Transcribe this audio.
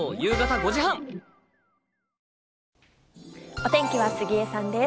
お天気は杉江さんです。